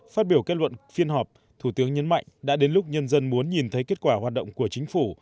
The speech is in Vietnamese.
phát biểu kết luận phiên họp thủ tướng nhấn mạnh đã đến lúc nhân dân muốn nhìn thấy kết quả hoạt động của chính phủ